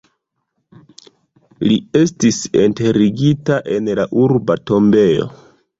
Li estas enterigita en la urba tombejo.